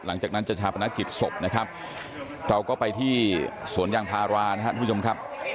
หลังจากนั้นจะชาปนกิจศพนะครับเราก็ไปที่สวนยางพารานะครับทุกผู้ชมครับ